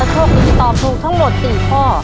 โชคดีตอบถูกทั้งหมด๔ข้อ